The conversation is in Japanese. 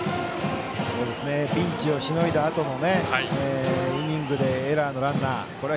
ピンチをしのいだあとのイニングでエラーのランナー。